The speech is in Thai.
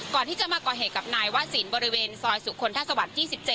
ก่อนที่จะมาก่อเหตุกับนายวะสินบริเวณซอยสุคลทัศวรรค๒๗